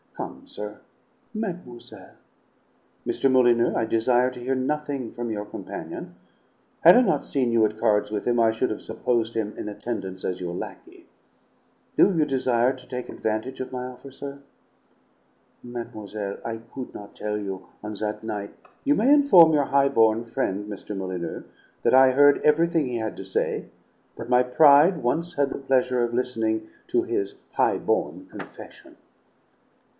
Come, sir " "Mademoiselle " "Mr. Molyneux, I desire to hear nothing from your companion. Had I not seen you at cards with him I should have supposed him in attendance as your lackey. Do you desire to take advantage of my offer, sir?" "Mademoiselle, I could not tell you, on that night " "You may inform your high born friend, Mr. Molyneux, that I heard everything he had to say; that my pride once had the pleasure of listening to his high born confession!"